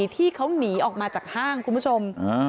ที่เขาหนีออกมาจากห้างคุณผู้ชม